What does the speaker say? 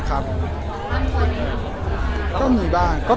ก็มีบ้างครับ